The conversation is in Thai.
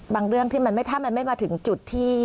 เรื่องที่ถ้ามันไม่มาถึงจุดที่